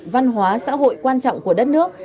văn hóa xã hội quan trọng của đất nước